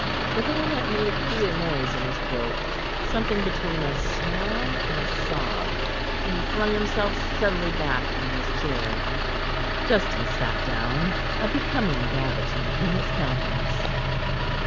The baronet made a queer noise in his throat, something between a snarl and a sob, and he flung himself suddenly back in his chair. Justin sat down, a becoming gravity in his countenance.